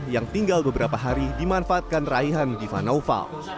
yang tinggal beberapa hari dimanfaatkan raihan giva noval